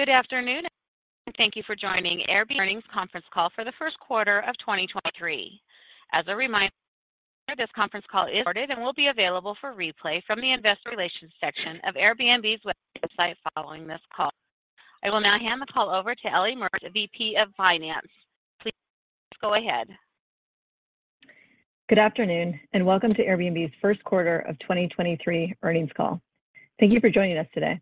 Good afternoon, and thank you for joining Airbnb's Earnings Conference Call for the Q1 of 2023. As a reminder, this conference call is recorded and will be available for replay from the investor relations section of Airbnb's website following this call. I will now hand the call over to Ellie Mertz, VP of Finance. Please go ahead. Good afternoon, welcome to Airbnb's Q1 of 2023 earnings call. Thank you for joining us today.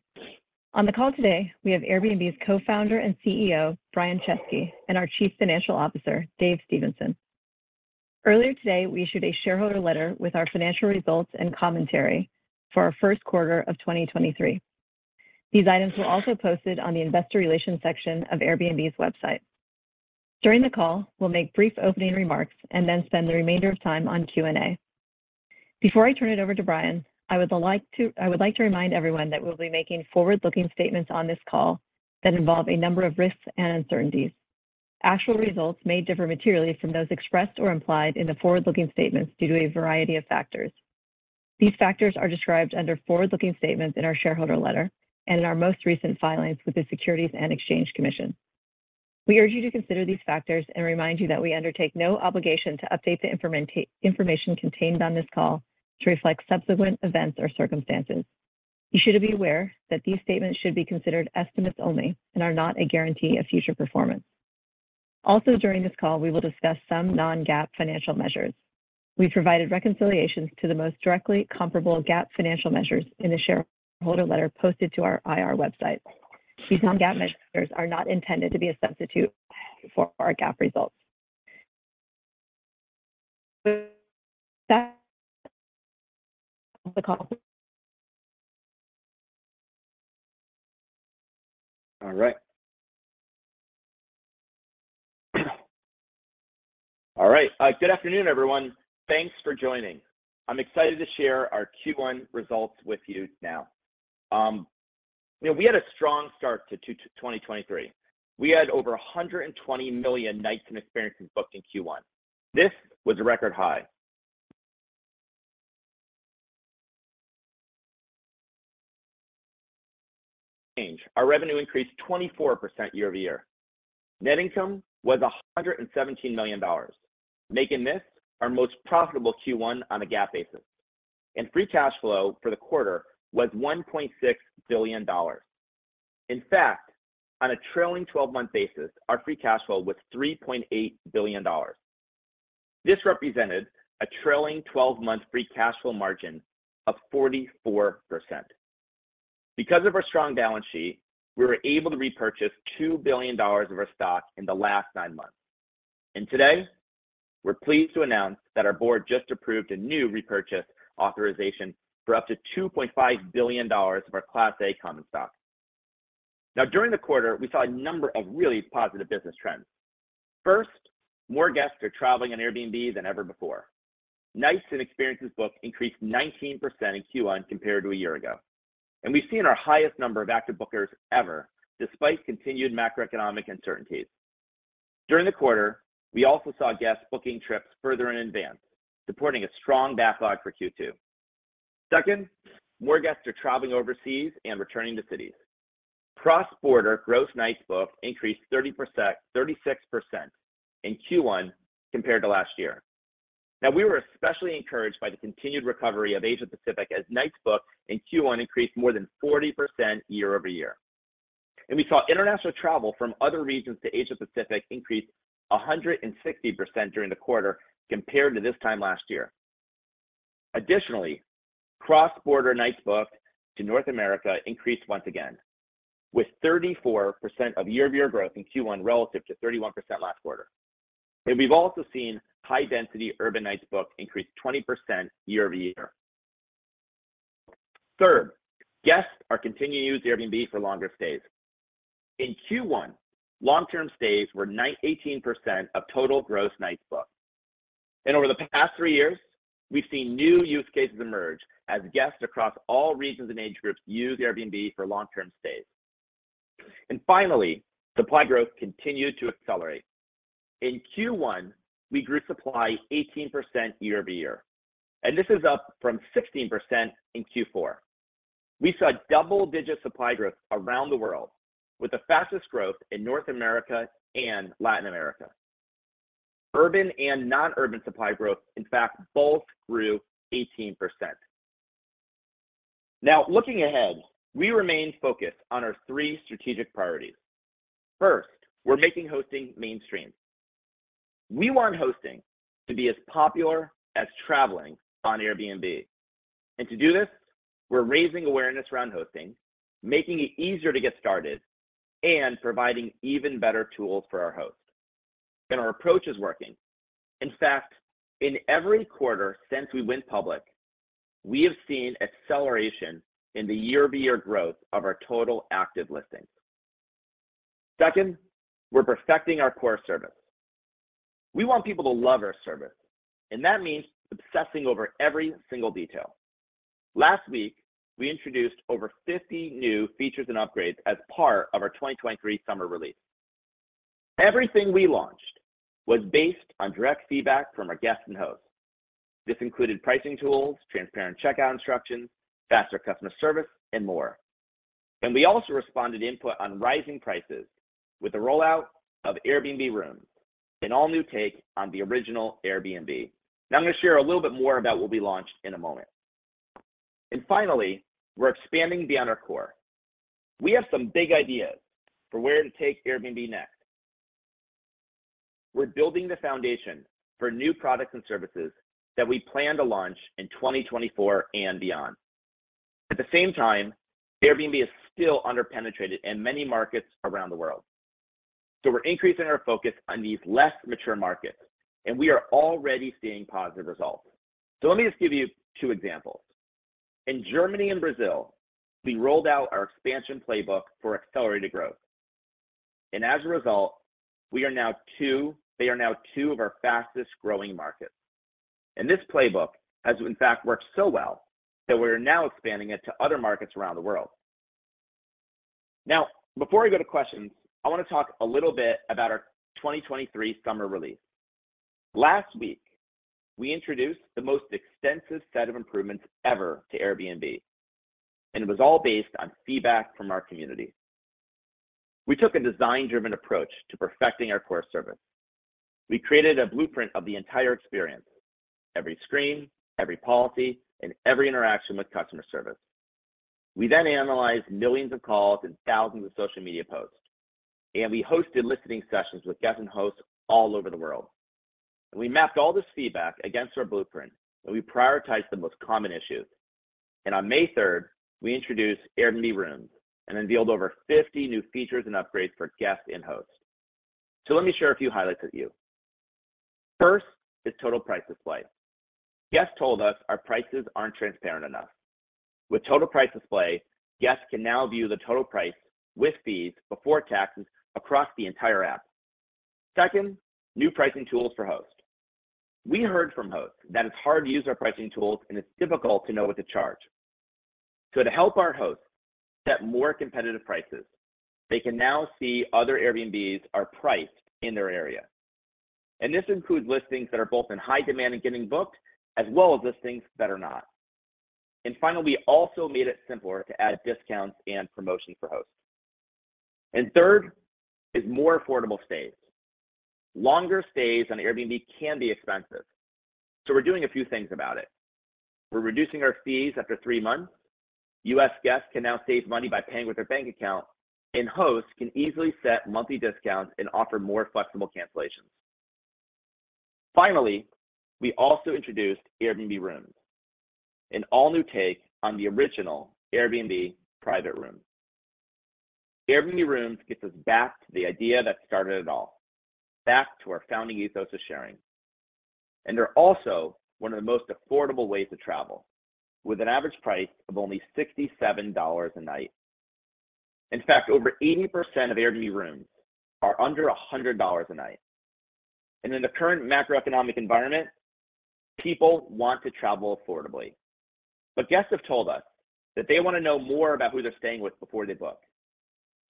On the call today, we have Airbnb's Co-Founder and CEO, Brian Chesky, and our Chief Financial Officer, Dave Stephenson. Earlier today, we issued a shareholder letter with our financial results and commentary for our Q1 of 2023. These items were also posted on the investor relations section of Airbnb's website. During the call, we'll make brief opening remarks, then spend the remainder of time on Q&A. Before I turn it over to Brian, I would like to remind everyone that we'll be making forward-looking statements on this call that involve a number of risks and uncertainties. Actual results may differ materially from those expressed or implied in the forward-looking statements due to a variety of factors. These factors are described under forward-looking statements in our shareholder letter and in our most recent filings with the Securities and Exchange Commission. We urge you to consider these factors and remind you that we undertake no obligation to update the information contained on this call to reflect subsequent events or circumstances. You should be aware that these statements should be considered estimates only and are not a guarantee of future performance. Also during this call, we will discuss some non-GAAP financial measures. We provided reconciliations to the most directly comparable GAAP financial measures in the shareholder letter posted to our IR website. These non-GAAP measures are not intended to be a substitute for our GAAP results. With that, the call. All right. All right. Good afternoon, everyone. Thanks for joining. I'm excited to share our Q1 results with you now. We had a strong start to 2023. We had over 120 million nights and experiences booked in Q1. This was a record high. Our revenue increased 24% year-over-year. Net income was $117 million, making this our most profitable Q1 on a GAAP basis. Free cash flow for the quarter was $1.6 billion. In fact, on a trailing twelve-month basis, our free cash flow was $3.8 billion. This represented a trailing twelve-month free cash flow margin of 44%. Because of our strong balance sheet, we were able to repurchase $2 billion of our stock in the last nine months. Today, we're pleased to announce that our board just approved a new repurchase authorization for up to $2.5 billion of our Class A common stock. During the quarter, we saw a number of really positive business trends. First, more guests are traveling on Airbnb than ever before. Nights and experiences booked increased 19% in Q1 compared to a year ago, and we've seen our highest number of active bookers ever, despite continued macroeconomic uncertainties. During the quarter, we also saw guests booking trips further in advance, supporting a strong backlog for Q2. Second, more guests are traveling overseas and returning to cities. Cross-border gross nights booked increased 36% in Q1 compared to last year. We were especially encouraged by the continued recovery of Asia-Pacific as nights booked in Q1 increased more than 40% year-over-year. We saw international travel from other regions to Asia-Pacific increase 160% during the quarter compared to this time last year. Additionally, cross-border nights booked to North America increased once again, with 34% of year-over-year growth in Q1 relative to 31% last quarter. We've also seen high-density urban nights booked increase 20% year-over-year. Third, guests are continuing to use Airbnb for longer stays. In Q1, long-term stays were 18% of total gross nights booked. Over the past three years, we've seen new use cases emerge as guests across all regions and age groups use Airbnb for long-term stays. Finally, supply growth continued to accelerate. In Q1, we grew supply 18% year-over-year, and this is up from 16% in Q4. We saw double-digit supply growth around the world with the fastest growth in North America and Latin America. Urban and non-urban supply growth, in fact, both grew 18%. Looking ahead, we remain focused on our three strategic priorities. First, we're Making Hosting Mainstream. We want hosting to be as popular as traveling on Airbnb. To do this, we're raising awareness around hosting, making it easier to get started, and providing even better tools for our hosts. Our approach is working. In fact, in every quarter since we went public, we have seen acceleration in the year-over-year growth of our total active listings. Second, we're perfecting our core service. We want people to love our service, and that means obsessing over every single detail. Last week, we introduced over 50 new features and upgrades as part of our 2023 summer release. Everything we launched was based on direct feedback from our guests and hosts. This included pricing tools, transparent checkout instructions, faster customer service, and more. We also responded to input on rising prices with the rollout of Airbnb Rooms, an all-new take on the original Airbnb, and I'm going to share a little bit more about what we launched in a moment. Finally, we're expanding beyond our core. We have some big ideas for where to take Airbnb next. We're building the foundation for new products and services that we plan to launch in 2024 and beyond. At the same time, Airbnb is still under-penetrated in many markets around the world, so we're increasing our focus on these less mature markets, and we are already seeing positive results. Let me just give you two examples. In Germany and Brazil, we rolled out our expansion playbook for accelerated growth. As a result, they are now two of our fastest-growing markets. This playbook has in fact worked so well that we're now expanding it to other markets around the world. Before we go to questions, I want to talk a little bit about our 2023 summer release. Last week, we introduced the most extensive set of improvements ever to Airbnb, and it was all based on feedback from our community. We took a design-driven approach to perfecting our core service. We created a blueprint of the entire experience, every screen, every policy, and every interaction with customer service. We then analyzed millions of calls and thousands of social media posts. We hosted listening sessions with guests and hosts all over the world. We mapped all this feedback against our blueprint. We prioritized the most common issues. On May 3rd, we introduced Airbnb Rooms and unveiled over 50 new features and upgrades for guests and hosts. Let me share a few highlights with you. First is total price display. Guests told us our prices aren't transparent enough. With total price display, guests can now view the total price with fees before taxes across the entire app. Second, new pricing tools for hosts. We heard from hosts that it's hard to use our pricing tools, and it's difficult to know what to charge. To help our hosts set more competitive prices, they can now see other Airbnbs are priced in their area. This includes listings that are both in high demand and getting booked, as well as listings that are not. Finally, we also made it simpler to add discounts and promotions for hosts. Third is more affordable stays. Longer stays on Airbnb can be expensive, so we're doing a few things about it. We're reducing our fees after three months. U.S. guests can now save money by paying with their bank account, and hosts can easily set monthly discounts and offer more flexible cancellations. Finally, we also introduced Airbnb Rooms, an all-new take on the original Airbnb private room. Airbnb Rooms gets us back to the idea that started it all, back to our founding ethos of sharing, and they're also one of the most affordable ways to travel, with an average price of only $67 a night. In fact, over 80% of Airbnb Rooms are under $100 a night. In the current macroeconomic environment, people want to travel affordably. Guests have told us that they want to know more about who they're staying with before they book.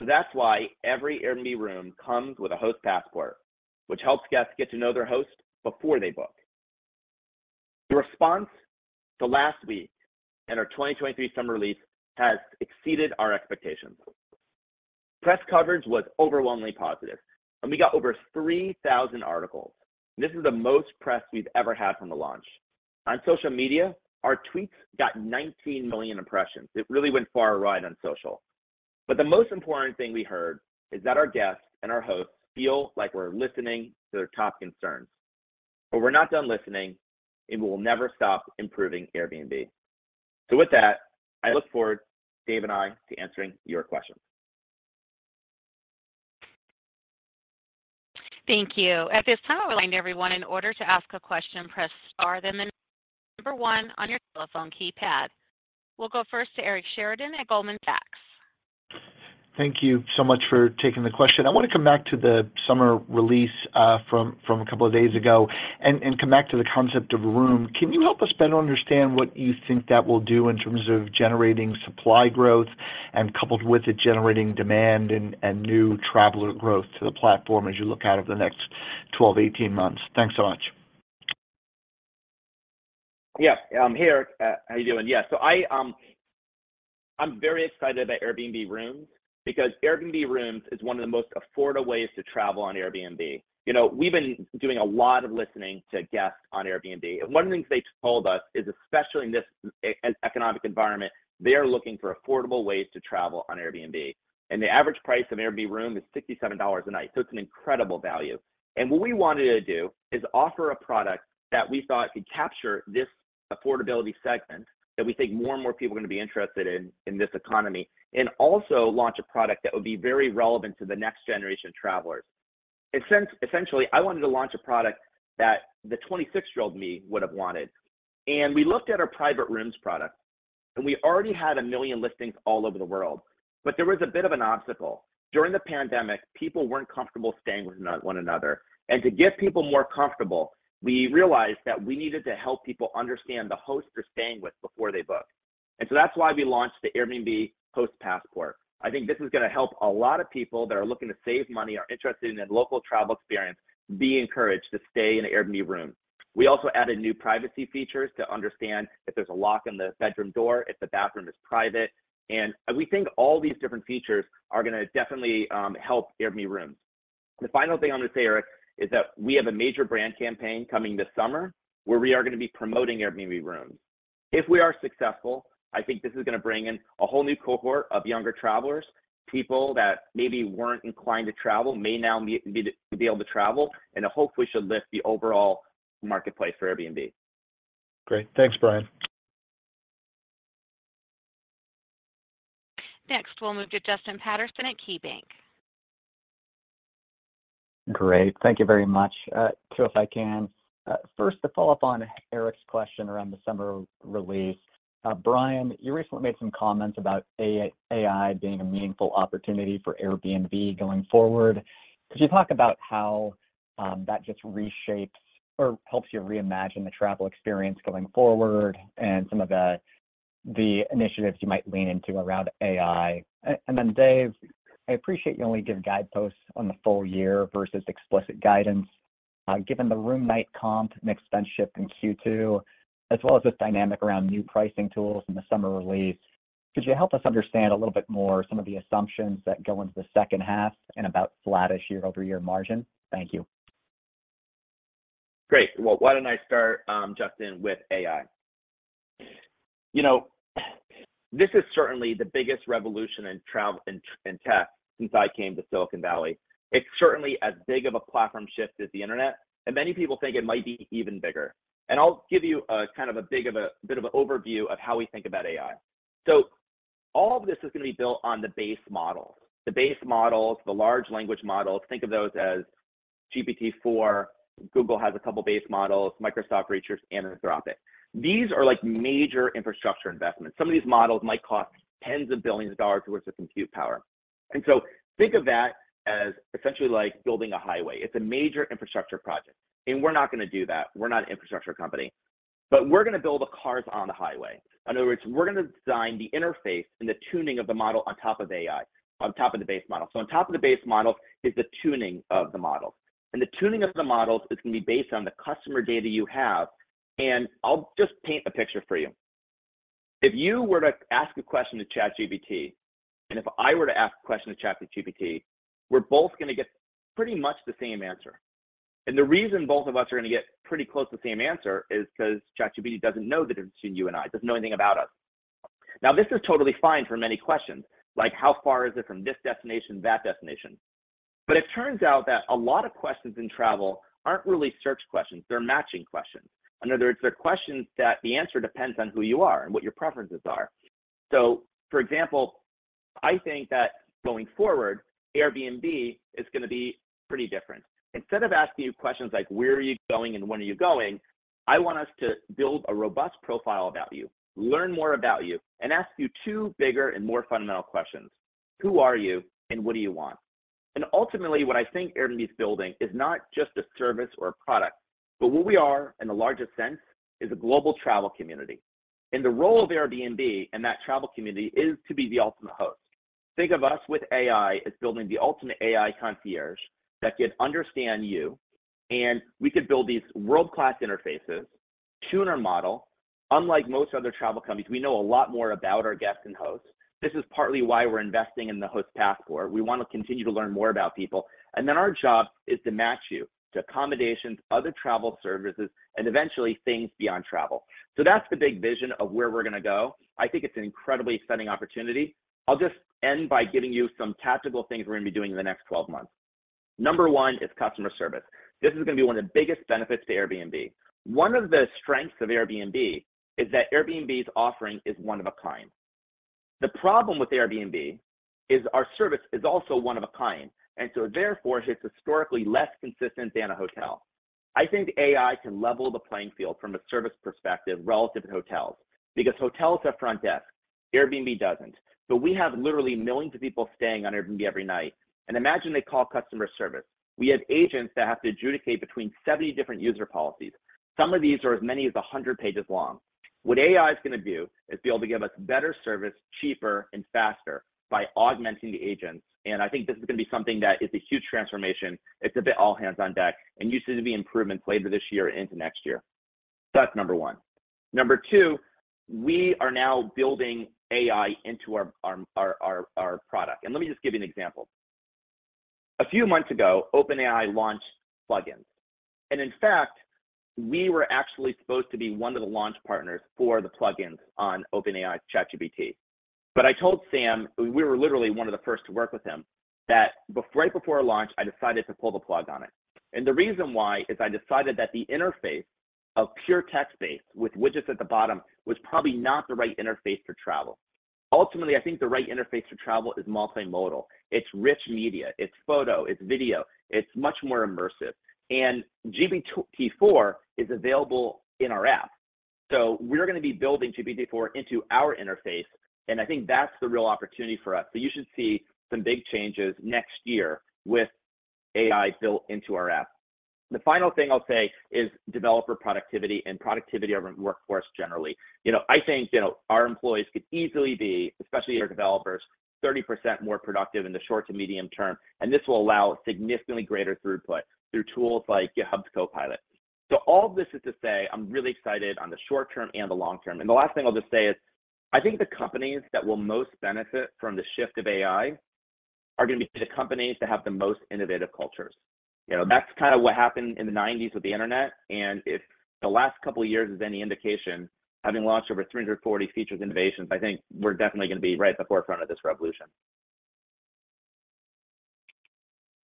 That's why every Airbnb Room comes with a Host Passport, which helps guests get to know their host before they book. The response to last week and our 2023 summer release has exceeded our expectations. Press coverage was overwhelmingly positive, and we got over 3,000 articles. This is the most press we've ever had from the launch. On social media, our tweets got 19 million impressions. It really went for a ride on social. The most important thing we heard is that our guests and our hosts feel like we're listening to their top concerns. We're not done listening, and we will never stop improving Airbnb. With that, I look forward, Dave and I, to answering your questions. Thank you. At this time, I'll remind everyone in order to ask a question, press star, then the number one on your telephone keypad. We'll go first to Eric Sheridan at Goldman Sachs. Thank you so much for taking the question. I want to come back to the summer release, from a couple of days ago and come back to the concept of Room. Can you help us better understand what you think that will do in terms of generating supply growth and coupled with it generating demand and new traveler growth to the platform as you look out over the next 12-18 months? Thanks so much. Hey, Eric. How you doing? I'm very excited about Airbnb Rooms because Airbnb Rooms is one of the most affordable ways to travel on Airbnb. You know, we've been doing a lot of listening to guests on Airbnb, and one of the things they told us is, especially in this economic environment, they are looking for affordable ways to travel on Airbnb. The average price of an Airbnb Room is $67 a night, so it's an incredible value. What we wanted to do is offer a product that we thought could capture this affordability segment that we think more and more people are going to be interested in in this economy and also launch a product that would be very relevant to the next generation of travelers. Essentially, I wanted to launch a product that the 26-year-old me would have wanted. We looked at our private Rooms product, we already had 1 million listings all over the world, but there was a bit of an obstacle. During the pandemic, people weren't comfortable staying with one another, and to get people more comfortable, we realized that we needed to help people understand the host they're staying with before they book. That's why we launched the Airbnb Host Passport. I think this is gonna help a lot of people that are looking to save money, are interested in a local travel experience, be encouraged to stay in an Airbnb Room. We also added new privacy features to understand if there's a lock on the bedroom door, if the bathroom is private. We think all these different features are gonna definitely help Airbnb Rooms. The final thing I'm gonna say, Eric, is that we have a major brand campaign coming this summer where we are gonna be promoting Airbnb Rooms. If we are successful, I think this is gonna bring in a whole new cohort of younger travelers. People that maybe weren't inclined to travel may now be able to travel, it hopefully should lift the overall marketplace for Airbnb. Great. Thanks, Brian. Next, we'll move to Justin Patterson at KeyBanc. Great. Thank you very much. Two if I can. First, to follow up on Eric's question around the summer release, Brian, you recently made some comments about AI being a meaningful opportunity for Airbnb going forward. Could you talk about how that just reshapes or helps you reimagine the travel experience going forward and some of the initiatives you might lean into around AI? Then Dave, I appreciate you only give guideposts on the full year versus explicit guidance. Given the room night comp and spend shift in Q2, as well as this dynamic around new pricing tools and the summer release, could you help us understand a little bit more some of the assumptions that go into the second half and about flattish year-over-year margin? Thank you. Great. Well, why don't I start, Justin, with AI? You know, this is certainly the biggest revolution in travel and tech since I came to Silicon Valley. It's certainly as big of a platform shift as the internet, and many people think it might be even bigger. I'll give you a kind of a bit of a overview of how we think about AI. All of this is gonna be built on the base models. The base models, the large language models, think of those as GPT-4. Google has a couple base models. Microsoft reaches Anthropic. These are, like, major infrastructure investments. Some of these models might cost tens of billions of dollars' worth of compute power. Think of that as essentially like building a highway. It's a major infrastructure project, and we're not gonna do that. We're not an infrastructure company. We're gonna build the cars on the highway. In other words, we're gonna design the interface and the tuning of the model on top of AI, on top of the base model. On top of the base model is the tuning of the model. The tuning of the models is gonna be based on the customer data you have, and I'll just paint a picture for you. If you were to ask a question to ChatGPT, and if I were to ask a question to ChatGPT, we're both gonna get pretty much the same answer. The reason both of us are gonna get pretty close to the same answer is 'cause ChatGPT doesn't know the difference between you and I, doesn't know anything about us. This is totally fine for many questions, like how far is it from this destination to that destination? It turns out that a lot of questions in travel aren't really search questions, they're matching questions. In other words, they're questions that the answer depends on who you are and what your preferences are. For example, I think that going forward, Airbnb is gonna be pretty different. Instead of asking you questions like, "Where are you going and when are you going?" I want us to build a robust profile about you, learn more about you, and ask you 2 bigger and more fundamental questions: Who are you and what do you want? Ultimately, what I think Airbnb's building is not just a service or a product, but what we are in the largest sense is a global travel community. The role of Airbnb in that travel community is to be the ultimate host. Think of us with AI as building the ultimate AI concierge that could understand you, and we could build these world-class interfaces, tune our model. Unlike most other travel companies, we know a lot more about our guests and hosts. This is partly why we're investing in the Host Passport. We want to continue to learn more about people. Then our job is to match you to accommodations, other travel services, and eventually things beyond travel. That's the big vision of where we're gonna go. I think it's an incredibly exciting opportunity. I'll just end by giving you some tactical things we're gonna be doing in the next 12 months. Number 1 is customer service. This is gonna be one of the biggest benefits to Airbnb. One of the strengths of Airbnb is that Airbnb's offering is one of a kind. The problem with Airbnb is our service is also one of a kind. Therefore it's historically less consistent than a hotel. I think AI can level the playing field from a service perspective relative to hotels, because hotels have front desks, Airbnb doesn't. We have literally millions of people staying on Airbnb every night, and imagine they call customer service. We have agents that have to adjudicate between 70 different user policies. Some of these are as many as 100 pages long. What AI is gonna do is be able to give us better service cheaper and faster by augmenting the agents, and I think this is gonna be something that is a huge transformation. It's a bit all hands on deck and you should see improvements later this year into next year. That's number one. Number two, we are now building AI into our product. Let me just give you an example. A few months ago, OpenAI launched plugins. In fact, we were actually supposed to be one of the launch partners for the plugins on OpenAI's ChatGPT. I told Sam, we were literally one of the first to work with him, right before our launch, I decided to pull the plug on it. The reason why is I decided that the interface of pure text base with widgets at the bottom was probably not the right interface for travel. Ultimately, I think the right interface for travel is multimodal. It's rich media, it's photo, it's video, it's much more immersive. GPT-4 is available in our app. We're gonna be building GPT-4 into our interface, and I think that's the real opportunity for us. You should see some big changes next year with AI built into our app. The final thing I'll say is developer productivity and productivity of our workforce generally. You know, I think, you know, our employees could easily be, especially our developers, 30% more productive in the short to medium term, and this will allow significantly greater throughput through tools like GitHub Copilot. All of this is to say I'm really excited on the short term and the long term. The last thing I'll just say is I think the companies that will most benefit from the shift of AI are gonna be the companies that have the most innovative cultures. You know, that's kind of what happened in the 90s with the Internet, and if the last couple of years is any indication, having launched over 340 features innovations, I think we're definitely gonna be right at the forefront of this revolution.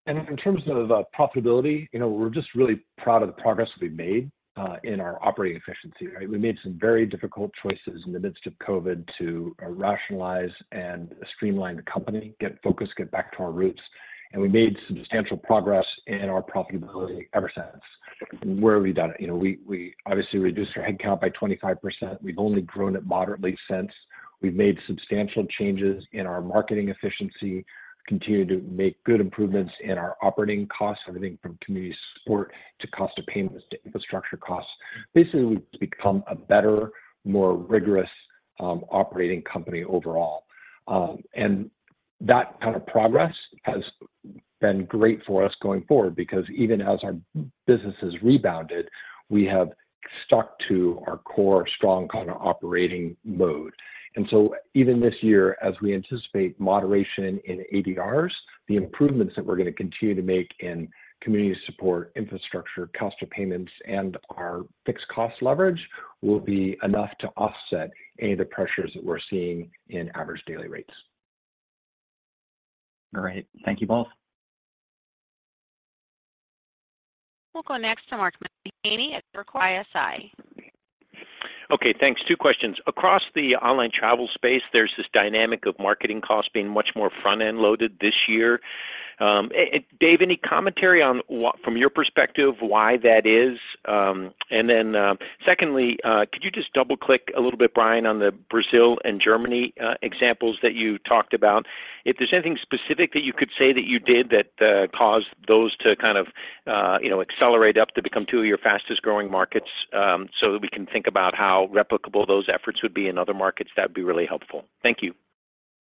In terms of profitability, you know, we're just really proud of the progress that we've made in our operating efficiency, right? We made some very difficult choices in the midst of COVID to rationalize and streamline the company, get focused, get back to our roots, and we made substantial progress in our profitability ever since. Where we've done it, you know, we obviously reduced our headcount by 25%. We've only grown it moderately since. We've made substantial changes in our marketing efficiency, continued to make good improvements in our operating costs, everything from community support to cost of payments to infrastructure costs. Basically, we've become a better, more rigorous operating company overall. That kind of progress has been great for us going forward because even as our business has rebounded, we have stuck to our core strong kind of operating mode. Even this year, as we anticipate moderation in ADRs, the improvements that we're gonna continue to make in community support, infrastructure, cost of payments, and our fixed cost leverage will be enough to offset any of the pressures that we're seeing in average daily rates. All right. Thank you both. We'll go next to Mark Mahaney at Evercore ISI. Okay, thanks. Two questions. Across the online travel space, there's this dynamic of marketing costs being much more front-end loaded this year. Dave, any commentary on from your perspective, why that is? Then, secondly, could you just double-click a little bit, Brian, on the Brazil and Germany, examples that you talked about? If there's anything specific that you could say that you did that, caused those to kind of, you know, accelerate up to become two of your fastest-growing markets, so that we can think about how replicable those efforts would be in other markets, that'd be really helpful. Thank you.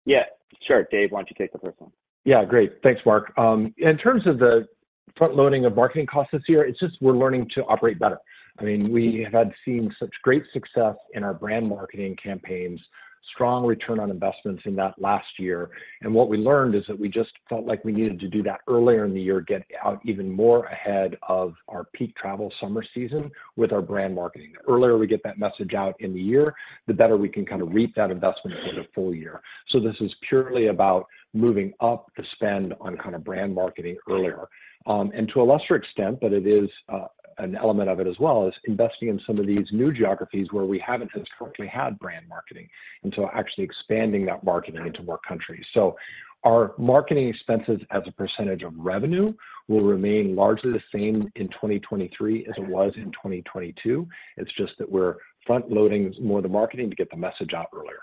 Yeah, sure. Dave, why don't you take the first one? Yeah. Great. Thanks, Mark. In terms of the front loading of marketing costs this year, it's just we're learning to operate better. I mean, we had seen such great success in our brand marketing campaigns, strong return on investments in that last year. What we learned is that we just felt like we needed to do that earlier in the year, get out even more ahead of our peak travel summer season with our brand marketing. The earlier we get that message out in the year, the better we can kind of reap that investment over the full year. This is purely about moving up the spend on kind of brand marketing earlier. To a lesser extent, but it is an element of it as well, is investing in some of these new geographies where we haven't historically had brand marketing, and so actually expanding that marketing into more countries. Our marketing expenses as a % of revenue will remain largely the same in 2023 as it was in 2022. It's just that we're front loading more of the marketing to get the message out earlier.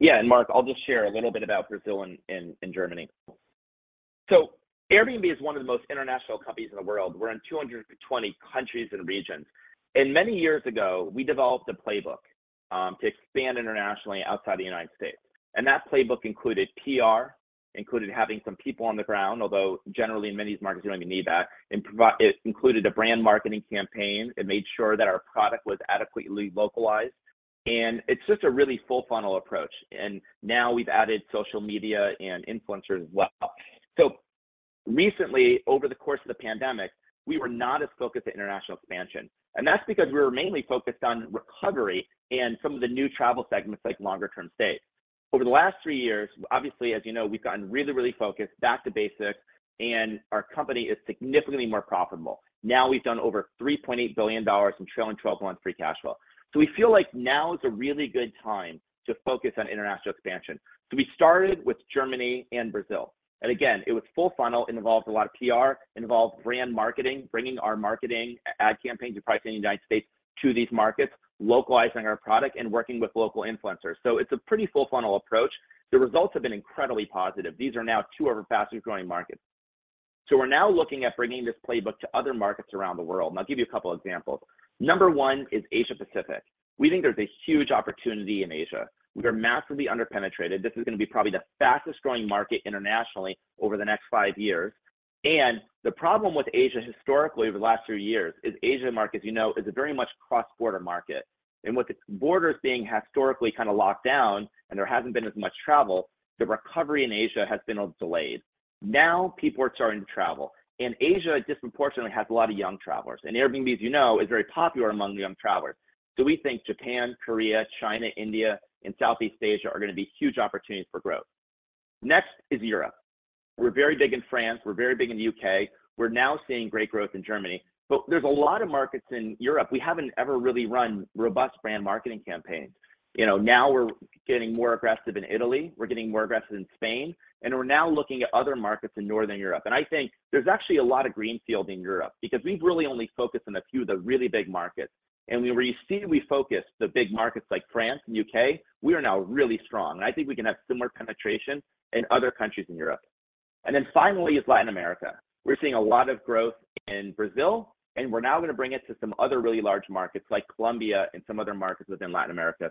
Yeah. Mark, I'll just share a little bit about Brazil and Germany. Airbnb is one of the most international companies in the world. We're in 220 countries and regions. Many years ago, we developed a playbook to expand internationally outside the United States, and that playbook included PR, included having some people on the ground, although generally in many of these markets you don't even need that. It included a brand marketing campaign. It made sure that our product was adequately localized, and it's just a really full funnel approach. Now we've added social media and influencers as well. Recently, over the course of the pandemic, we were not as focused on international expansion, and that's because we were mainly focused on recovery and some of the new travel segments like longer term stays. Over the last three years, obviously, as you know, we've gotten really, really focused back to basics, and our company is significantly more profitable. We've done over $3.8 billion in trailing 12-month free cash flow. We feel like now is a really good time to focus on international expansion. We started with Germany and Brazil, again, it was full funnel. It involved a lot of PR. It involved brand marketing, bringing our marketing ad campaigns you probably see in the United States to these markets, localizing our product and working with local influencers. It's a pretty full funnel approach. The results have been incredibly positive. These are now two of our fastest-growing markets. We're now looking at bringing this playbook to other markets around the world, and I'll give you a couple examples. Number one is Asia Pacific. We think there's a huge opportunity in Asia. We are massively under-penetrated. This is gonna be probably the fastest-growing market internationally over the next five years. The problem with Asia historically over the last few years is Asia market, as you know, is a very much cross-border market. With its borders being historically kinda locked down and there hasn't been as much travel, the recovery in Asia has been delayed. Now people are starting to travel, and Asia disproportionately has a lot of young travelers, and Airbnb, as you know, is very popular among young travelers. We think Japan, Korea, China, India, and Southeast Asia are gonna be huge opportunities for growth. Next is Europe. We're very big in France. We're very big in the U.K. We're now seeing great growth in Germany, there's a lot of markets in Europe we haven't ever really run robust brand marketing campaigns. You know, now we're getting more aggressive in Italy, we're getting more aggressive in Spain, we're now looking at other markets in Northern Europe. I think there's actually a lot of greenfield in Europe because we've really only focused on a few of the really big markets, and where you see we focus, the big markets like France and U.K., we are now really strong, and I think we can have similar penetration in other countries in Europe. Finally is Latin America. We're seeing a lot of growth in Brazil, we're now gonna bring it to some other really large markets like Colombia and some other markets within Latin America.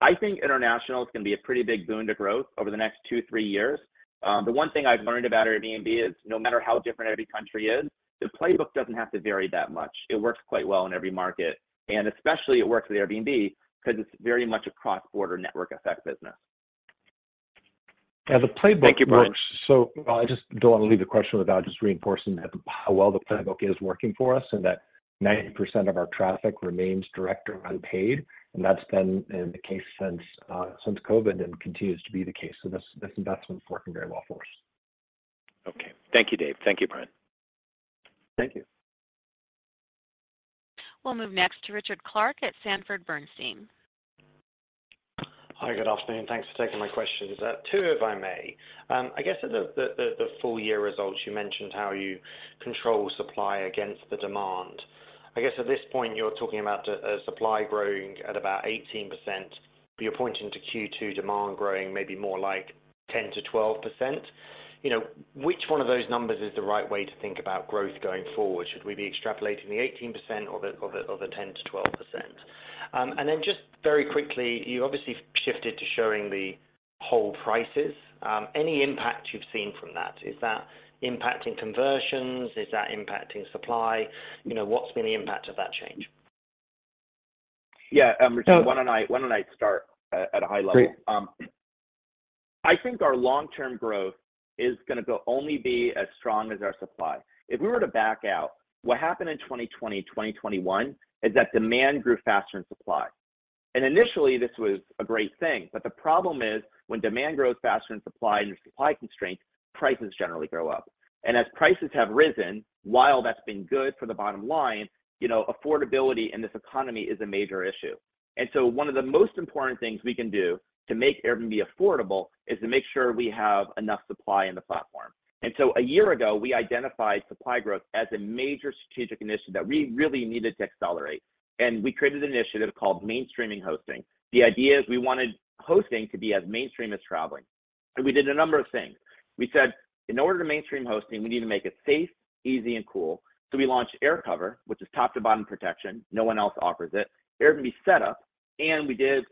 I think international is gonna be a pretty big boon to growth over the next two, three years. The one thing I've learned about Airbnb is no matter how different every country is, the playbook doesn't have to vary that much. It works quite well in every market, especially it works with Airbnb because it's very much a cross-border network effect business. Yeah. The playbook works- Thank you, Brian. I just don't want to leave the question without just reinforcing that how well the playbook is working for us and that 90% of our traffic remains direct or unpaid. That's been the case since COVID, and continues to be the case. This, this investment is working very well for us. Okay. Thank you, Dave. Thank you, Brian. Thank you. We'll move next to Richard Clarke at Sanford Bernstein. Hi. Good afternoon. Thanks for taking my questions. Two, if I may. I guess at the full year results, you mentioned how you control supply against the demand. I guess at this point, you're talking about a supply growing at about 18%, but you're pointing to Q2 demand growing maybe more like 10%-12%. You know, which one of those numbers is the right way to think about growth going forward? Should we be extrapolating the 18% or the 10%-12%? Just very quickly, you obviously shifted to showing the whole prices. Any impact you've seen from that? Is that impacting conversions? Is that impacting supply? You know, what's been the impact of that change? Richard, why don't I, why don't I start at a high level? Great. I think our long-term growth is gonna be as strong as our supply. If we were to back out, what happened in 2020, 2021 is that demand grew faster than supply. Initially, this was a great thing. The problem is when demand grows faster than supply and your supply constraints, prices generally go up. As prices have risen, while that's been good for the bottom line, you know, affordability in this economy is a major issue. One of the most important things we can do to make Airbnb affordable is to make sure we have enough supply in the platform. A year ago, we identified supply growth as a major strategic initiative that we really needed to accelerate, and we created an initiative called Mainstreaming Hosting. The idea is we wanted hosting to be as mainstream as traveling, and we did a number of things. We said, in order to mainstream hosting, we need to make it safe, easy and cool. We launched AirCover, which is top to bottom protection. No one else offers it. Airbnb Setup, and we did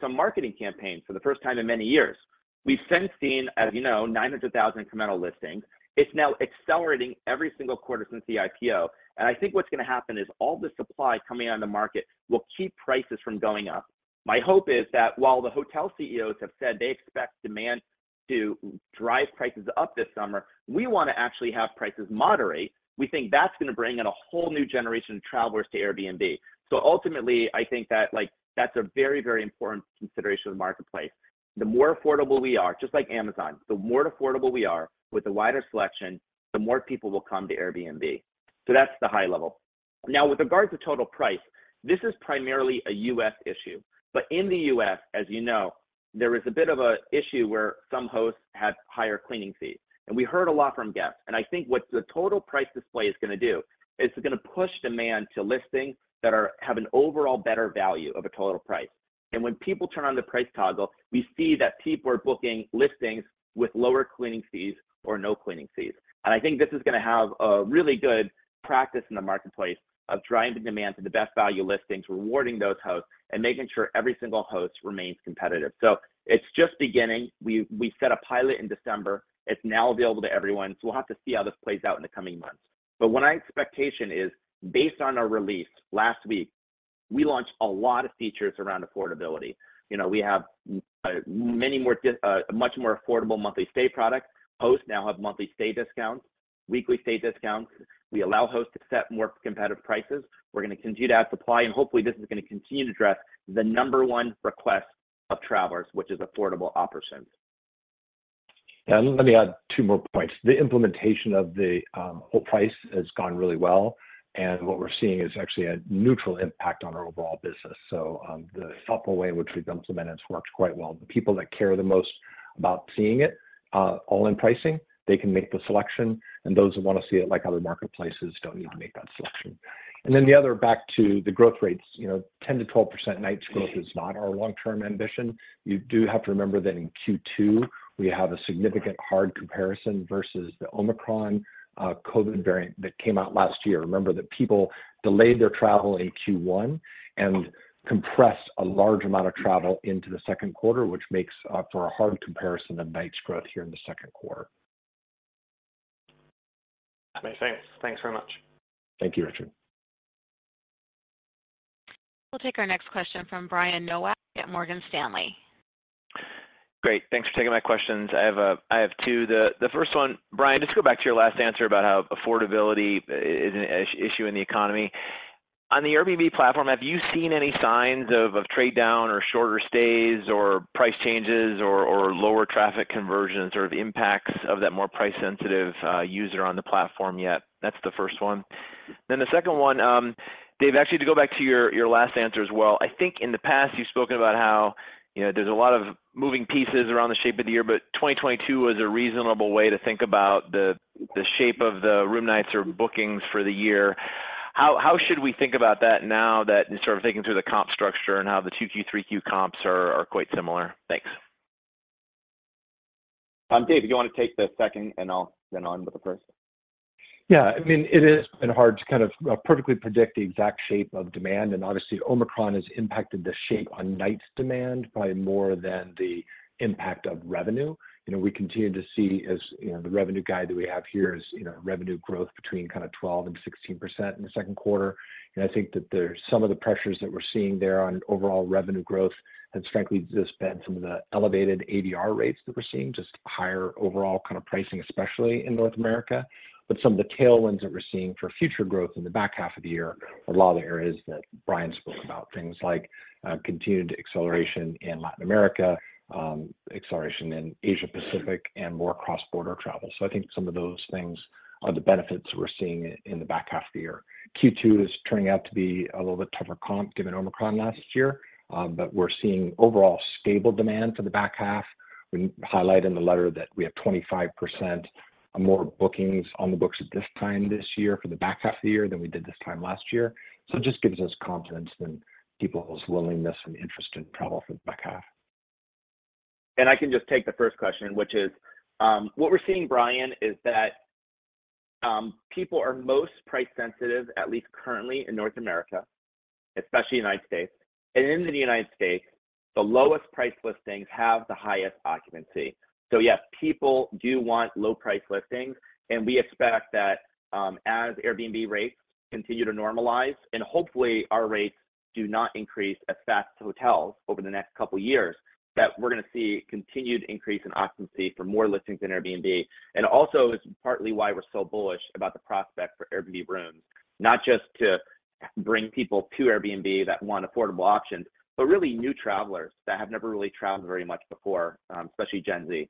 some marketing campaigns for the first time in many years. We've since seen, as you know, 900,000 incremental listings. It's now accelerating every single quarter since the IPO. I think what's gonna happen is all the supply coming on the market will keep prices from going up. My hope is that while the hotel CEOs have said they expect demand to drive prices up this summer, we want to actually have prices moderate. We think that's gonna bring in a whole new generation of travelers to Airbnb. Ultimately, I think that, like, that's a very, very important consideration of the marketplace. The more affordable we are, just like Amazon, the more affordable we are with a wider selection, the more people will come to Airbnb. That's the high level. Now with regards to total price, this is primarily a U.S. issue. In the U.S., as you know, there is a bit of an issue where some hosts have higher cleaning fees. We heard a lot from guests. I think what the total price display is going to do is it's going to push demand to listings that have an overall better value of a total price. When people turn on the price toggle, we see that people are booking listings with lower cleaning fees or no cleaning fees. I think this is going to have a really good practice in the marketplace of driving demand to the best value listings, rewarding those hosts, and making sure every single host remains competitive. It's just beginning. We set a pilot in December. It's now available to everyone, so we'll have to see how this plays out in the coming months. What our expectation is, based on our release last week, we launched a lot of features around affordability. You know, we have many more, a much more affordable monthly stay product. Hosts now have monthly stay discounts, weekly stay discounts. We allow hosts to set more competitive prices. We're going to continue to add supply, and hopefully this is going to continue to address the number 1 request of travelers, which is affordable options. Yeah. Let me add two more points. The implementation of the whole price has gone really well, and what we're seeing is actually a neutral impact on our overall business. The thoughtful way in which we've implemented this works quite well. The people that care the most about seeing it, all-in pricing, they can make the selection, and those who want to see it like other marketplaces don't need to make that selection. The other back to the growth rates, you know, 10%-12% nights growth is not our long-term ambition. You do have to remember that in Q2, we have a significant hard comparison versus the Omicron COVID variant that came out last year. Remember that people delayed their travel in Q1 and compressed a large amount of travel into the Q2, which makes for a hard comparison of nights growth here in the Q2. Thanks. Thanks very much. Thank you, Richard. We'll take our next question from Brian Nowak at Morgan Stanley. Great. Thanks for taking my questions. I have two. The first one, Brian, just go back to your last answer about how affordability is an issue in the economy. On the Airbnb platform, have you seen any signs of trade down or shorter stays or price changes or lower traffic conversions or the impacts of that more price sensitive user on the platform yet? That's the first one. The second one, Dave Stephenson, actually to go back to your last answer as well. I think in the past you've spoken about how, you know, there's a lot of moving pieces around the shape of the year, but 2022 is a reasonable way to think about the shape of the room nights or bookings for the year. How should we think about that now that you're sort of thinking through the comp structure and how the 2Q, 3Q comps are quite similar? Thanks. Dave, you wanna take the second, and then I'll handle the first. Yeah. I mean, it has been hard to kind of perfectly predict the exact shape of demand. Obviously Omicron has impacted the shape on nights demand by more than the impact of revenue. You know, we continue to see as, you know, the revenue guide that we have here is, you know, revenue growth between kind of 12% and 16% in the Q2. I think that there's some of the pressures that we're seeing there on overall revenue growth have frankly just been some of the elevated ADR rates that we're seeing, just higher overall kind of pricing, especially in North America. Some of the tailwinds that we're seeing for future growth in the back half of the year are a lot of the areas that Brian spoke about, things like continued acceleration in Latin America, acceleration in Asia Pacific, and more cross-border travel. I think some of those things are the benefits we're seeing in the back half of the year. Q2 is turning out to be a little bit tougher comp given Omicron last year. We're seeing overall stable demand for the back half. We highlight in the letter that we have 25% more bookings on the books at this time this year for the back half of the year than we did this time last year. It just gives us confidence in people's willingness and interest in travel for the back half. I can just take the first question, which is, what we're seeing, Brian, is that, people are most price sensitive, at least currently in North America, especially United States. In the United States, the lowest priced listings have the highest occupancy. Yes, people do want low price listings, and we expect that, as Airbnb rates continue to normalize, and hopefully our rates do not increase as fast as hotels over the next couple years, that we're gonna see continued increase in occupancy for more listings in Airbnb. Also it's partly why we're so bullish about the prospect for Airbnb Rooms, not just to bring people to Airbnb that want affordable options, but really new travelers that have never really traveled very much before, especially Gen Z.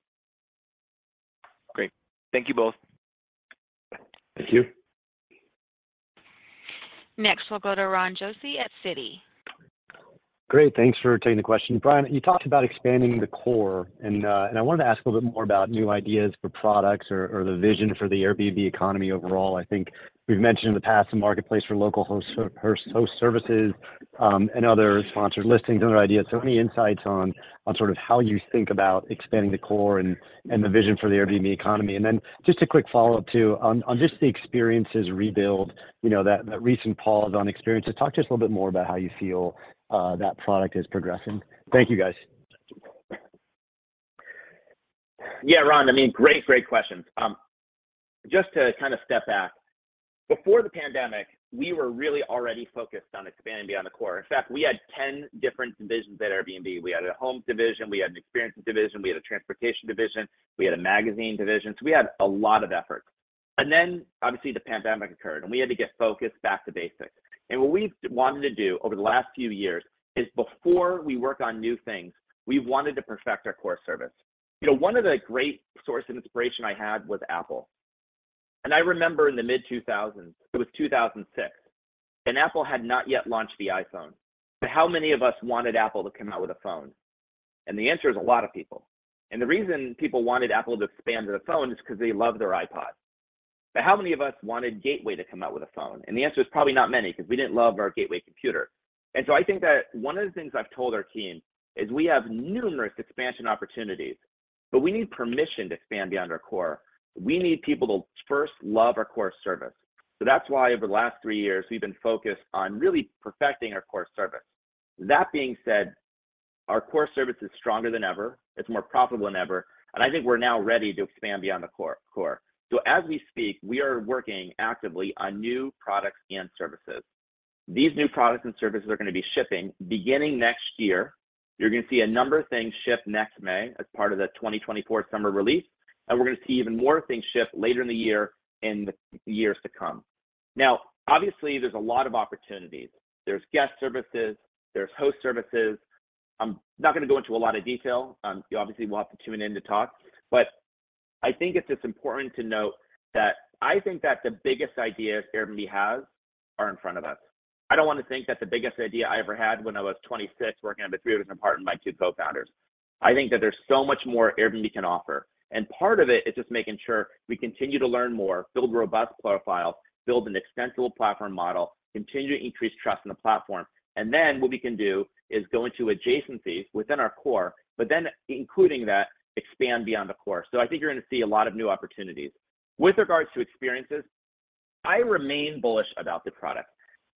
Great. Thank you both. Thank you. Next, we'll go to Ronald Josey at Citi. Great. Thanks for taking the question. Brian, you talked about expanding the core, and I wanted to ask a little bit more about new ideas for products or the vision for the Airbnb economy overall. I think you've mentioned in the past the marketplace for local host services, and other sponsored listings, other ideas. Any insights on sort of how you think about expanding the core and the vision for the Airbnb economy? Just a quick follow-up too on just the experiences rebuild, you know, that recent pause on experiences. Talk to us a little bit more about how you feel that product is progressing. Thank you, guys. Yeah, Ron, I mean, great questions. Just to kind of step back, before the pandemic, we were really already focused on expanding beyond the core. In fact, we had 10 different divisions at Airbnb. We had a homes division, we had an experiences division, we had a transportation division, we had a magazine division, we had a lot of efforts. Obviously the pandemic occurred, and we had to get focused back to basics. What we've wanted to do over the last few years is before we work on new things, we wanted to perfect our core service. You know, one of the great source of inspiration I had was Apple. I remember in the mid-2000s, it was 2006, and Apple had not yet launched the iPhone. How many of us wanted Apple to come out with a phone? The answer is a lot of people. The reason people wanted Apple to expand to the phone is 'cause they loved their iPod. How many of us wanted Gateway to come out with a phone? The answer is probably not many, 'cause we didn't love our Gateway computer. I think that one of the things I've told our team is we have numerous expansion opportunities, but we need permission to expand beyond our core. We need people to first love our core service. That's why over the last three years we've been focused on really perfecting our core service. That being said, our core service is stronger than ever, it's more profitable than ever, and I think we're now ready to expand beyond the core. As we speak, we are working actively on new products and services. These new products and services are gonna be shipping beginning next year. You're gonna see a number of things ship next May as part of the 2024 summer release, and we're gonna see even more things ship later in the year in the years to come. Obviously, there's a lot of opportunities. There's guest services, there's host services. I'm not gonna go into a lot of detail. You obviously will have to tune in to talk. I think it's just important to note that I think that the biggest ideas Airbnb has are in front of us. I don't wanna think that the biggest idea I ever had when I was 26, working out of a three-bedroom apartment with my two cofounders. I think that there's so much more Airbnb can offer, and part of it is just making sure we continue to learn more, build robust profiles, build an extensible platform model, continue to increase trust in the platform. What we can do is go into adjacencies within our core, but then including that, expand beyond the core. I think you're gonna see a lot of new opportunities. With regards to experiences, I remain bullish about the product.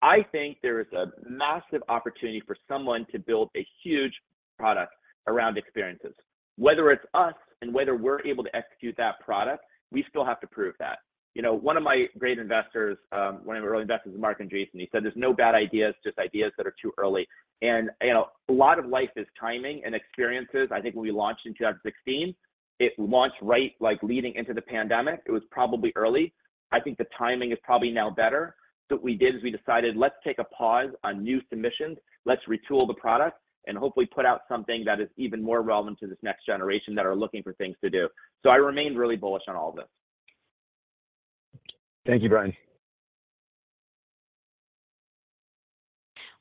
I think there is a massive opportunity for someone to build a huge product around experiences. Whether it's us and whether we're able to execute that product, we still have to prove that. You know, one of my great investors, one of my early investors is Marc Andreessen. He said there's no bad ideas, just ideas that are too early. You know, a lot of life is timing, and experiences. I think when we launched in 2016, it launched right, like leading into the pandemic. It was probably early. I think the timing is probably now better. What we did is we decided, let's take a pause on new submissions, let's retool the product, and hopefully put out something that is even more relevant to this next generation that are looking for things to do. I remain really bullish on all this. Thank you, Brian.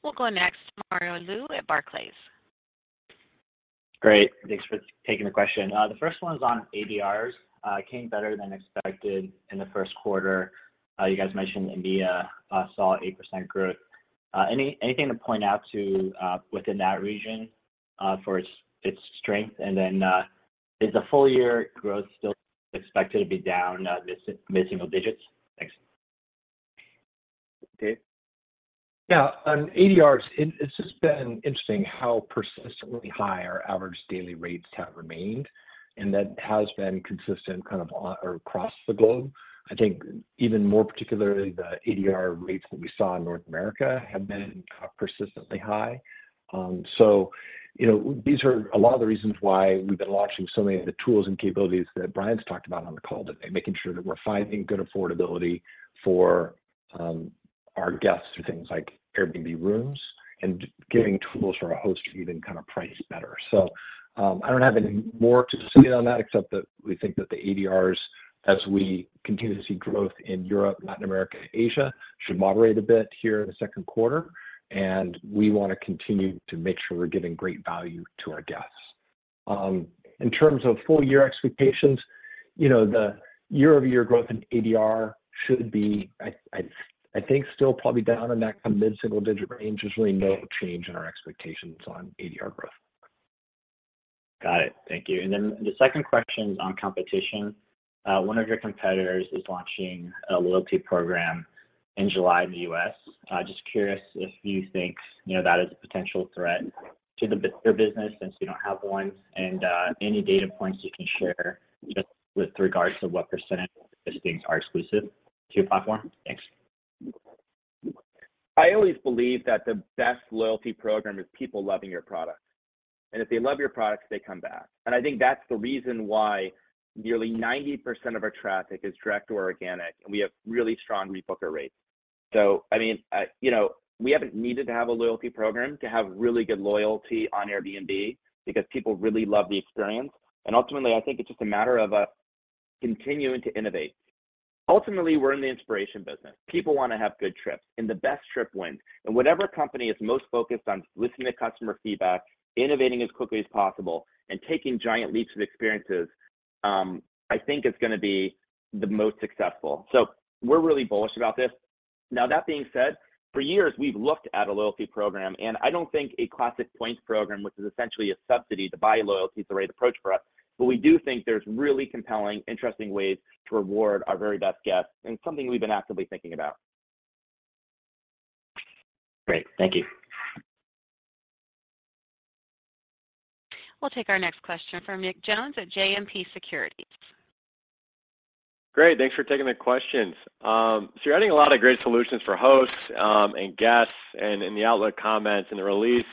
We'll go next to Mario Lu at Barclays. Great. Thanks for taking the question. The first one's on ADRs. It came better than expected in the Q1. You guys mentioned India, saw 8% growth. Anything to point out to within that region for its strength? Is the full year growth still expected to be down mid-single digits? Thanks. Dave? On ADRs, it's just been interesting how persistently high our average daily rates have remained, and that has been consistent kind of on or across the globe. I think even more particularly, the ADR rates that we saw in North America have been persistently high. You know, these are a lot of the reasons why we've been launching so many of the tools and capabilities that Brian's talked about on the call today, making sure that we're finding good affordability for our guests through things like Airbnb Rooms and giving tools for our hosts to even kind of price better. I don't have any more to say on that except that we think that the ADRs, as we continue to see growth in Europe, Latin America, and Asia, should moderate a bit here in the Q2. We wanna continue to make sure we're giving great value to our guests. In terms of full year expectations, you know, the year-over-year growth in ADR should be, I think still probably down in that kind of mid-single digit range. There's really no change in our expectations on ADR growth. Got it. Thank you. The second question's on competition. One of your competitors is launching a loyalty program in July in the U.S. Just curious if you think, you know, that is a potential threat to your business since you don't have one, and any data points you can share just with regards to what % of listings are exclusive to your platform? Thanks. I always believe that the best loyalty program is people loving your product. If they love your products, they come back. I think that's the reason why nearly 90% of our traffic is direct or organic, and we have really strong rebooker rates. I mean, I, you know, we haven't needed to have a loyalty program to have really good loyalty on Airbnb because people really love the experience. Ultimately, I think it's just a matter of continuing to innovate. Ultimately, we're in the inspiration business. People wanna have good trips, and the best trip wins. Whatever company is most focused on listening to customer feedback, innovating as quickly as possible, and taking giant leaps with experiences, I think is gonna be the most successful. We're really bullish about this. That being said, for years, we've looked at a loyalty program, and I don't think a classic points program, which is essentially a subsidy to buy loyalty, is the right approach for us. We do think there's really compelling, interesting ways to reward our very best guests and something we've been actively thinking about. Great. Thank you. We'll take our next question from Nick Jones at JMP Securities. Great. Thanks for taking the questions. You're adding a lot of great solutions for hosts, and guests and in the outlook comments and the release.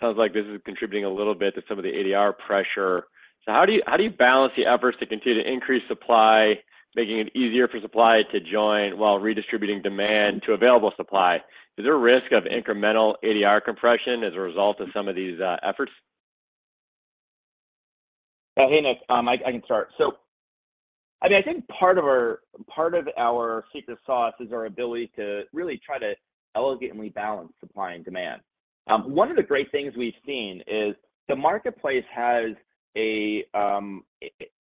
Sounds like this is contributing a little bit to some of the ADR pressure. How do you balance the efforts to continue to increase supply, making it easier for supply to join while redistributing demand to available supply? Is there a risk of incremental ADR compression as a result of some of these efforts? Yeah. Hey, Nick, I can start. I mean, I think part of our, part of our secret sauce is our ability to really try to elegantly balance supply and demand. One of the great things we've seen is the marketplace has a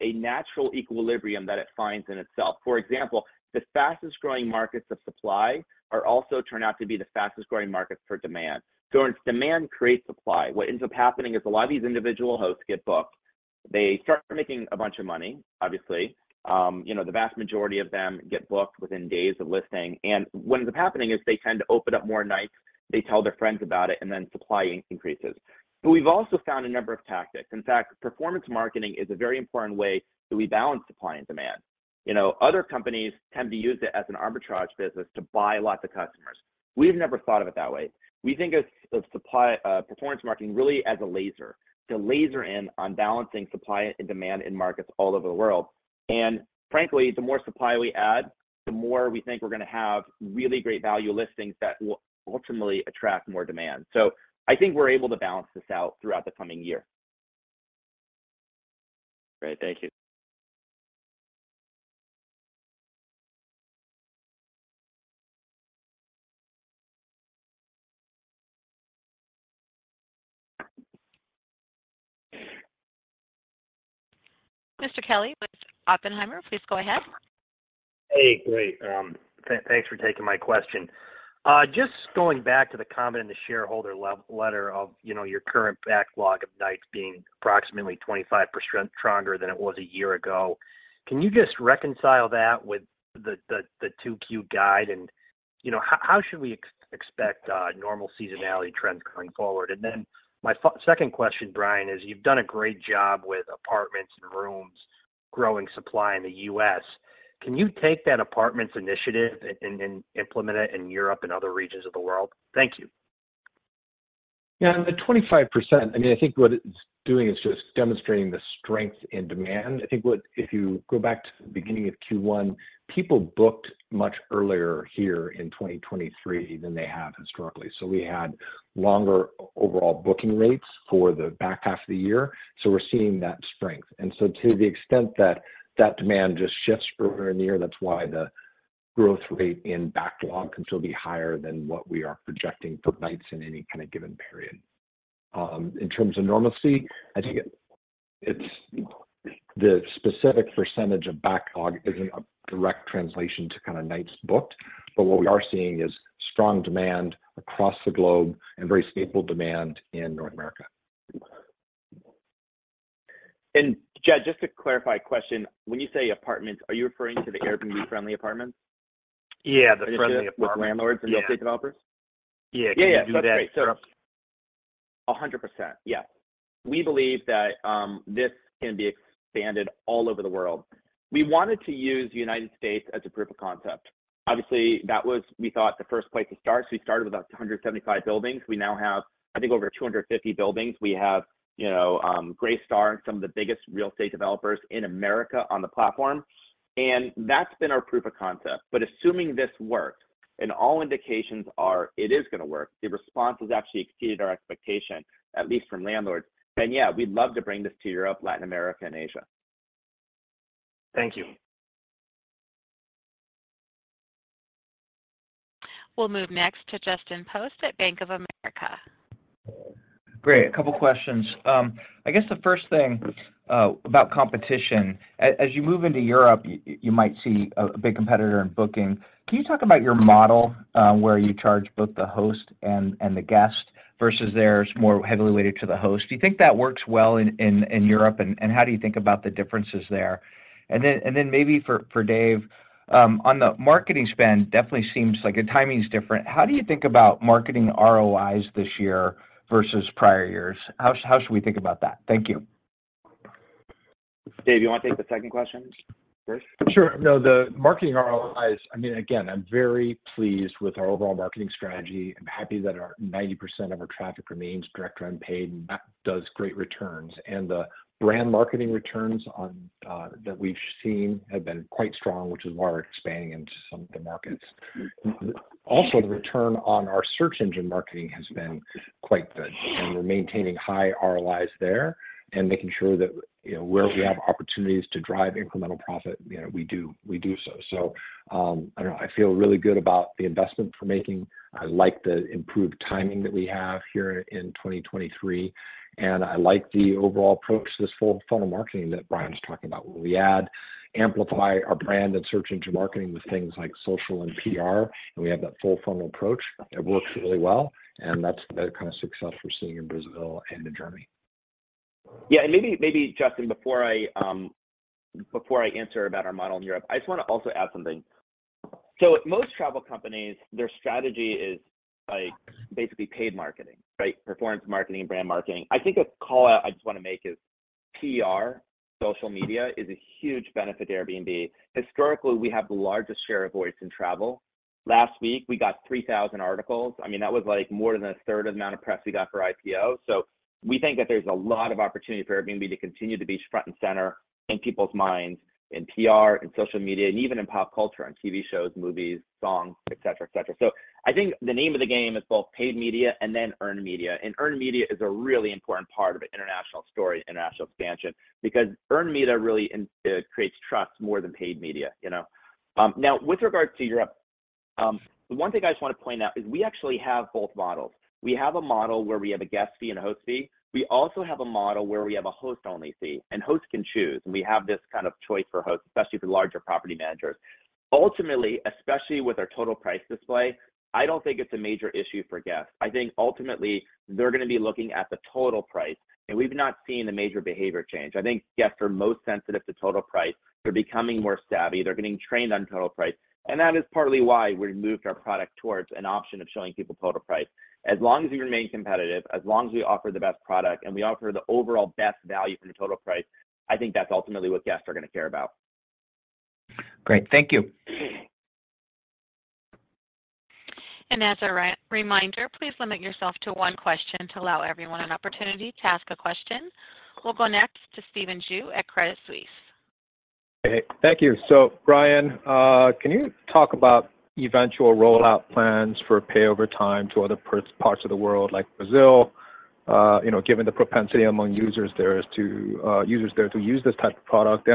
natural equilibrium that it finds in itself. For example, the fastest-growing markets of supply are also turn out to be the fastest-growing markets for demand. It's demand creates supply. What ends up happening is a lot of these individual hosts get booked. They start making a bunch of money, obviously. You know, the vast majority of them get booked within days of listing. What ends up happening is they tend to open up more nights, they tell their friends about it, and then supply increases. We've also found a number of tactics. In fact, performance marketing is a very important way that we balance supply and demand. You know, other companies tend to use it as an arbitrage business to buy lots of customers. We've never thought of it that way. We think of supply, performance marketing really as a laser, to laser in on balancing supply and demand in markets all over the world. Frankly, the more supply we add, the more we think we're gonna have really great value listings that will ultimately attract more demand. I think we're able to balance this out throughout the coming year. Great. Thank you. Mr. Kelly with Oppenheimer, please go ahead. Hey, great. Thanks for taking my question. Just going back to the comment in the shareholder letter of, you know, your current backlog of nights being approximately 25% stronger than it was a year ago. Can you just reconcile that with the 2Q guide? How should we expect normal seasonality trends going forward? Then my second question, Brian, is you've done a great job with apartments and rooms growing supply in the U.S. Can you take that apartments initiative and implement it in Europe and other regions of the world? Thank you. The 25%, I mean, I think what it's doing is just demonstrating the strength in demand. I think if you go back to the beginning of Q1, people booked much earlier here in 2023 than they have historically. We had longer overall booking rates for the back half of the year, we're seeing that strength. To the extent that that demand just shifts earlier in the year, that's why the growth rate in backlog can still be higher than what we are projecting for nights in any kind of given period. In terms of normalcy, I think the specific percentage of backlog isn't a direct translation to kind of nights booked, what we are seeing is strong demand across the globe and very stable demand in North America. Jed, just to clarify, question, when you say apartments, are you referring to the Airbnb-friendly apartments? Yeah, the friendly apartments. With landlords and real estate developers? Yeah. Yeah, yeah. That's great. A 100%. Yes. We believe that this can be expanded all over the world. We wanted to use United States as a proof of concept. Obviously, that was, we thought, the first place to start. We started with about 275 buildings. We now have, I think, over 250 buildings. We have, you know, Greystar and some of the biggest real estate developers in America on the platform, and that's been our proof of concept. Assuming this works, and all indications are it is gonna work, the response has actually exceeded our expectation, at least from landlords, then yeah, we'd love to bring this to Europe, Latin America and Asia. Thank you. We'll move next to Justin Post at Bank of America. Great. A couple questions. I guess the first thing about competition. As you move into Europe, you might see a big competitor in booking. Can you talk about your model, where you charge both the host and the guest versus theirs, more heavily weighted to the host? Do you think that works well in Europe, and how do you think about the differences there? Then maybe for Dave, on the marketing spend, definitely seems like the timing's different. How do you think about marketing ROIs this year versus prior years? How should we think about that? Thank you. Dave, you wanna take the second question first? Sure. No, the marketing ROIs, I mean, again, I'm very pleased with our overall marketing strategy. I'm happy that our 90% of our traffic remains direct or unpaid, that does great returns. The brand marketing returns on that we've seen have been quite strong, which is why we're expanding into some of the markets. Also, the return on our search engine marketing has been quite good, and we're maintaining high ROIs there and making sure that, you know, where we have opportunities to drive incremental profit, you know, we do so. I don't know. I feel really good about the investment we're making. I like the improved timing that we have here in 2023, and I like the overall approach to this full funnel marketing that Brian was talking about, where we add, amplify our brand and search engine marketing with things like social and PR, and we have that full funnel approach. It works really well, and that's the kind of success we're seeing in Brazil and in Germany. Yeah. Maybe Justin, before I answer about our model in Europe, I just wanna also add something. Most travel companies, their strategy is like basically paid marketing, right? Performance marketing, brand marketing. I think a call out I just wanna make is PR, social media is a huge benefit to Airbnb. Historically, we have the largest share of voice in travel. Last week we got 3,000 articles. I mean, that was like more than a third of the amount of press we got for IPO. We think that there's a lot of opportunity for Airbnb to continue to be front and center in people's minds, in PR and social media, and even in pop culture, on TV shows, movies, songs, et cetera, et cetera. I think the name of the game is both paid media and then earned media. Earned media is a really important part of an international story, international expansion, because earned media really creates trust more than paid media, you know. Now with regards to Europe, one thing I just want to point out is we actually have both models. We have a model where we have a guest fee and a host fee. We also have a model where we have a host only fee, and hosts can choose, and we have this kind of choice for hosts, especially for larger property managers. Ultimately, especially with our total price display, I don't think it's a major issue for guests. I think ultimately they're gonna be looking at the total price, and we've not seen a major behavior change. I think guests are most sensitive to total price. They're becoming more savvy. They're getting trained on total price, and that is partly why we moved our product towards an option of showing people total price. As long as we remain competitive, as long as we offer the best product and we offer the overall best value for the total price, I think that's ultimately what guests are gonna care about. Great. Thank you. As a re-reminder, please limit yourself to one question to allow everyone an opportunity to ask a question. We'll go next to Steven Xu at Credit Suisse. Hey. Thank you. Brian, can you talk about eventual rollout plans for pay over time to other parts of the world like Brazil, you know, given the propensity among users there to use this type of product?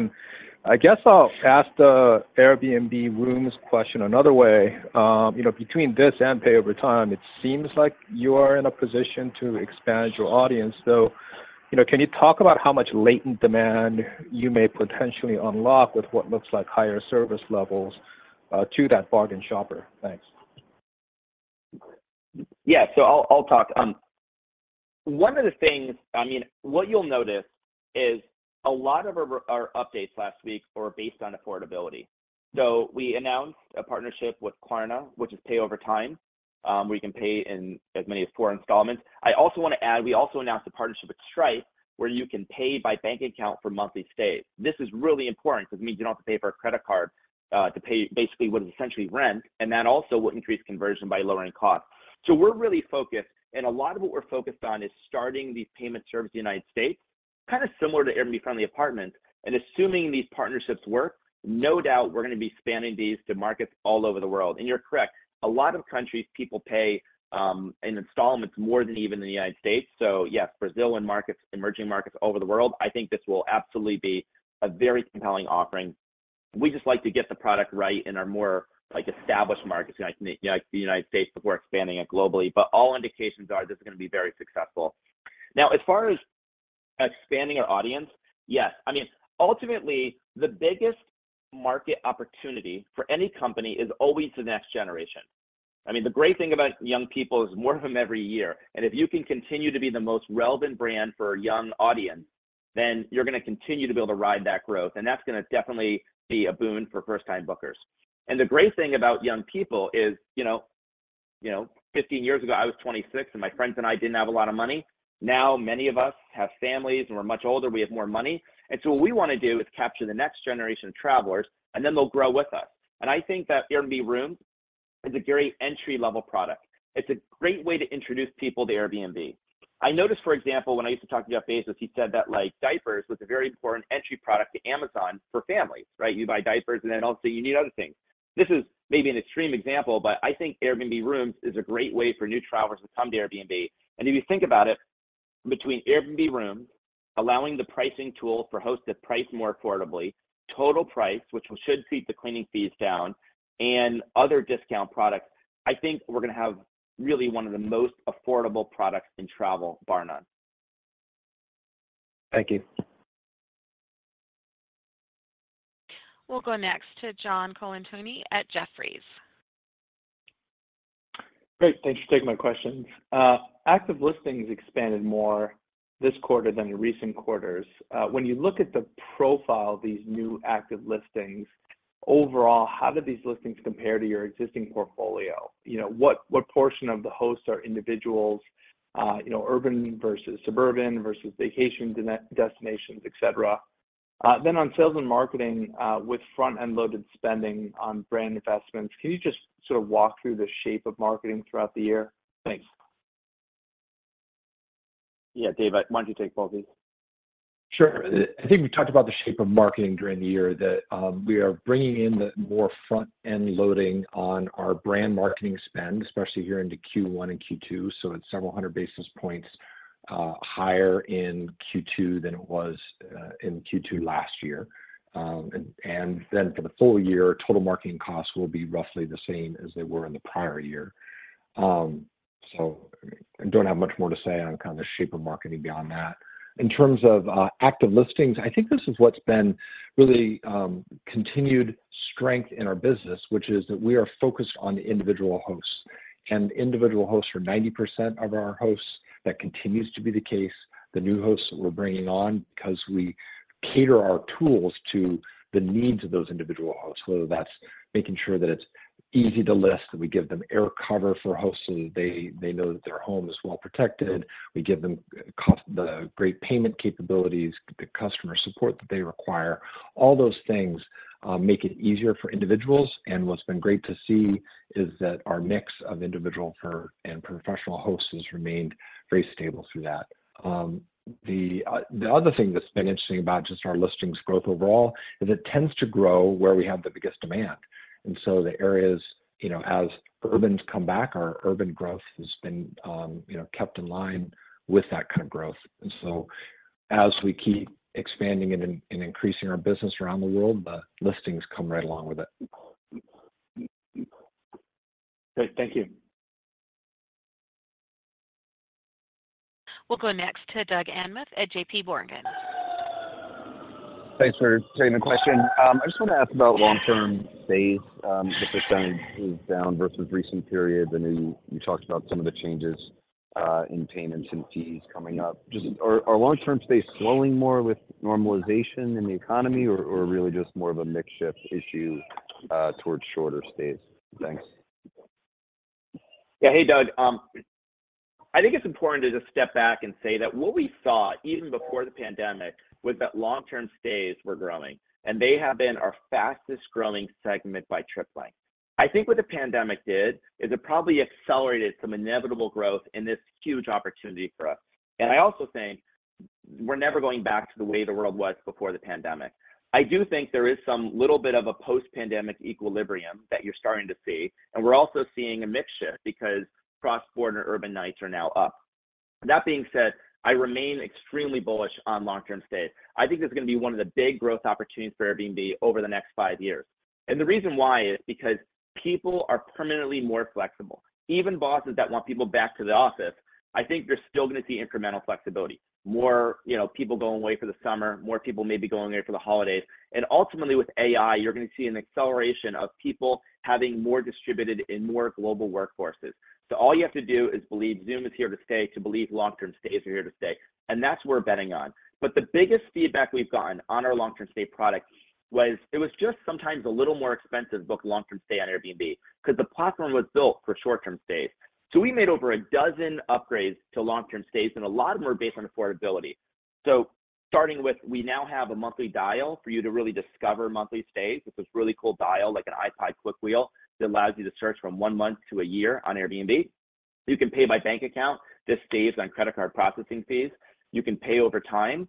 I guess I'll ask the Airbnb Rooms question another way. You know, between this and pay over time, it seems like you are in a position to expand your audience. You know, can you talk about how much latent demand you may potentially unlock with what looks like higher service levels to that bargain shopper? Thanks. I'll talk. I mean, what you'll notice is a lot of our updates last week were based on affordability. We announced a partnership with Klarna, which is pay over time, where you can pay in as many as four installments. I also want to add, we also announced a partnership with Stripe, where you can pay by bank account for monthly stays. This is really important because it means you don't have to pay for a credit card to pay basically what is essentially rent, and that also will increase conversion by lowering costs. We're really focused, and a lot of what we're focused on is starting these payment services in the United States. Kind of similar to Airbnb-friendly apartments. Assuming these partnerships work, no doubt we're gonna be spanning these to markets all over the world. You're correct, a lot of countries, people pay, in installments more than even in the United States. Yes, Brazilian markets, emerging markets over the world, I think this will absolutely be a very compelling offering. We just like to get the product right in our more, like, established markets, you know, like the United States before expanding it globally. All indications are this is gonna be very successful. As far as expanding our audience, yes. I mean, ultimately, the biggest market opportunity for any company is always the next generation. I mean, the great thing about young people is more of them every year. If you can continue to be the most relevant brand for a young audience, then you're gonna continue to be able to ride that growth, and that's gonna definitely be a boon for first time bookers. The great thing about young people is, you know, 15 years ago, I was 26, and my friends and I didn't have a lot of money. Now, many of us have families, and we're much older, we have more money. What we wanna do is capture the next generation of travelers, and then they'll grow with us. I think that Airbnb Rooms is a great entry level product. It's a great way to introduce people to Airbnb. I noticed, for example, when I used to talk to Jeff Bezos, he said that, like, diapers was a very important entry product to Amazon for families, right? You buy diapers, then also you need other things. This is maybe an extreme example, I think Airbnb Rooms is a great way for new travelers to come to Airbnb. If you think about it, between Airbnb Rooms allowing the pricing tool for hosts to price more affordably, total price, which should keep the cleaning fees down, and other discount products, I think we're gonna have really one of the most affordable products in travel, bar none. Thank you. We'll go next to John Colantuoni at Jefferies. Great. Thanks for taking my question. Active listings expanded more this quarter than in recent quarters. When you look at the profile of these new active listings, overall, how do these listings compare to your existing portfolio? You know, what portion of the hosts are individuals? You know, urban versus suburban versus vacation destinations, et cetera. On sales and marketing, with front-end loaded spending on brand investments, can you just sort of walk through the shape of marketing throughout the year? Thanks. Yeah. Dave, why don't you take both these? Sure. I think we talked about the shape of marketing during the year, that we are bringing in the more front-end loading on our brand marketing spend, especially here into Q1 and Q2. It's several hundred basis points higher in Q2 than it was in Q2 last year. For the full year, total marketing costs will be roughly the same as they were in the prior year. I don't have much more to say on kind of the shape of marketing beyond that. In terms of active listings, I think this is what's been really continued strength in our business, which is that we are focused on the individual hosts. Individual hosts are 90% of our hosts. That continues to be the case. The new hosts that we're bringing on, 'cause we cater our tools to the needs of those individual hosts, whether that's making sure that it's easy to list, that we give them AirCover for hosts so they know that their home is well protected. We give them the great payment capabilities, the customer support that they require. All those things make it easier for individuals. What's been great to see is that our mix of individual and professional hosts has remained very stable through that. The other thing that's been interesting about just our listings growth overall is it tends to grow where we have the biggest demand. The areas, you know, as urbans come back, our urban growth has been, you know, kept in line with that kind of growth. As we keep expanding and increasing our business around the world, the listings come right along with it. Great. Thank you. We'll go next to Doug Anmuth at J.P. Morgan. Thanks for taking the question. I just wanna ask about long term stays. The percentage is down versus recent periods. I know you talked about some of the changes in payments and fees coming up. Just are long term stays slowing more with normalization in the economy or really just more of a mix shift issue towards shorter stays? Thanks. Hey, Doug. I think it's important to just step back and say that what we saw even before the pandemic was that long term stays were growing. They have been our fastest growing segment by trip length. I think what the pandemic did is it probably accelerated some inevitable growth in this huge opportunity for us. I also think we're never going back to the way the world was before the pandemic. I do think there is some little bit of a post-pandemic equilibrium that you're starting to see. We're also seeing a mix shift because cross-border urban nights are now up. That being said, I remain extremely bullish on long term stays. I think it's gonna be one of the big growth opportunities for Airbnb over the next five years. The reason why is because people are permanently more flexible. Even bosses that want people back to the office, I think you're still gonna see incremental flexibility. More, you know, people going away for the summer, more people maybe going away for the holidays. Ultimately with AI, you're gonna see an acceleration of people having more distributed and more global workforces. All you have to do is believe Zoom is here to stay to believe long term stays are here to stay, and that's what we're betting on. The biggest feedback we've gotten on our long term stay product was it was just sometimes a little more expensive to book a long term stay on Airbnb because the platform was built for short term stays. We made over 12 upgrades to long term stays, and a lot of them are based on affordability. Starting with we now have a monthly dial for you to really discover monthly stays. It's this really cool dial, like an iPod click wheel, that allows you to search from one month to a year on Airbnb. You can pay by bank account. This saves on credit card processing fees. You can pay over time.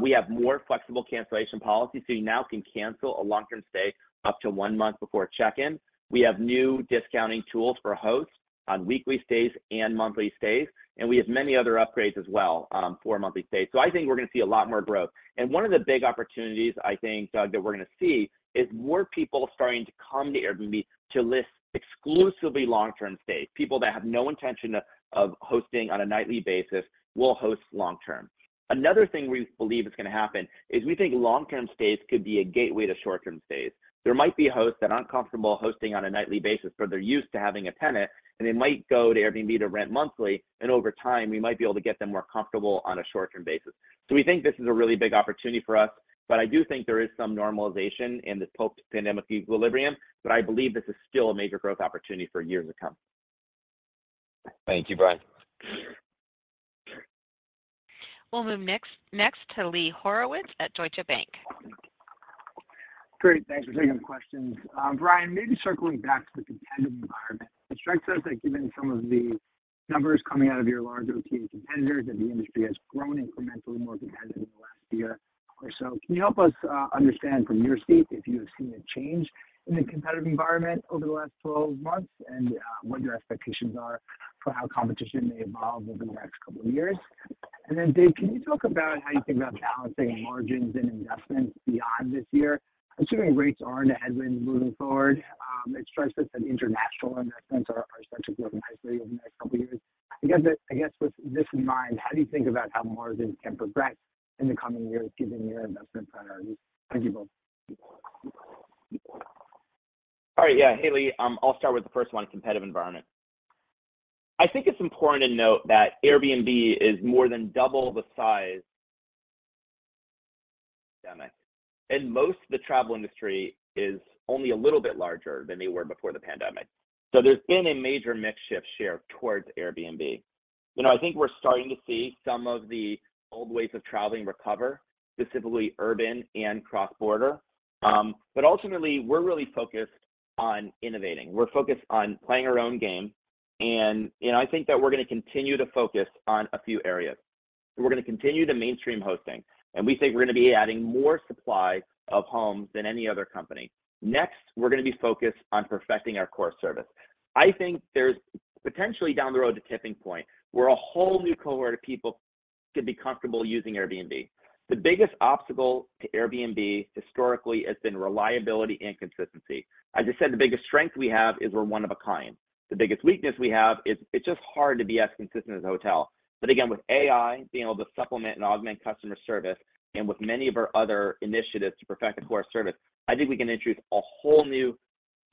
We have more flexible cancellation policies, so you now can cancel a long-term stay up to one month before check-in. We have new discounting tools for hosts on weekly stays and monthly stays, and we have many other upgrades as well for monthly stays. I think we're gonna see a lot more growth. One of the big opportunities I think, Doug, that we're gonna see is more people starting to come to Airbnb to list exclusively long-term stays. People that have no intention of hosting on a nightly basis will host long term. Another thing we believe is gonna happen is we think long-term stays could be a gateway to short-term stays. There might be hosts that aren't comfortable hosting on a nightly basis, but they're used to having a tenant, and they might go to Airbnb to rent monthly, and over time, we might be able to get them more comfortable on a short-term basis. We think this is a really big opportunity for us, but I do think there is some normalization in this post-pandemic equilibrium, but I believe this is still a major growth opportunity for years to come. Thank you, Brian. We'll move next to Lee Horowitz at Deutsche Bank. Great. Thanks for taking the questions. Brian, maybe circling back to the competitive environment. It strikes us that given some of the numbers coming out of your large OTA competitors, that the industry has grown incrementally more competitive in the last year or so. Can you help us understand from your seat if you have seen a change in the competitive environment over the last 12 months, and what your expectations are for how competition may evolve over the next two years? Dave Stephenson, can you talk about how you think about balancing margins and investments beyond this year, assuming rates are in a headwind moving forward? It strikes us that international investments are starting to look nicely over the next two years. I guess with this in mind, how do you think about how margins can progress in the coming years given your investment priorities? Thank you both. All right, yeah. Hey, Lee. I'll start with the first one, competitive environment. I think it's important to note that Airbnb is more than double the size... pandemic, and most of the travel industry is only a little bit larger than they were before the pandemic. There's been a major mix shift share towards Airbnb. You know, I think we're starting to see some of the old ways of traveling recover, specifically urban and cross-border. Ultimately, we're really focused on innovating. We're focused on playing our own game and, you know, I think that we're gonna continue to focus on a few areas. We're gonna continue to mainstream hosting, and we think we're gonna be adding more supply of homes than any other company. Next, we're gonna be focused on perfecting our core service. I think there's potentially down the road a tipping point where a whole new cohort of people could be comfortable using Airbnb. The biggest obstacle to Airbnb historically has been reliability and consistency. As I said, the biggest strength we have is we're one of a kind. The biggest weakness we have is it's just hard to be as consistent as a hotel. Again, with AI being able to supplement and augment customer service, and with many of our other initiatives to perfect the core service, I think we can introduce a whole new